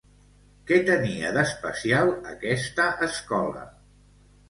Què tenia, d'especial, aquesta escola?